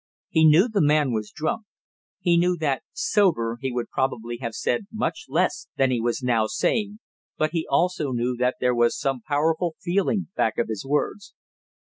He knew the man was drunk; he knew that sober he would probably have said much less than he was now saying, but he also knew that there was some powerful feeling back of his words.